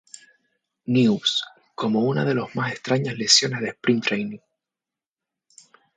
News" como una de los más extrañas lesiones de spring training.